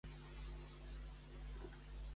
Si moro, vull que li avisis al meu pare.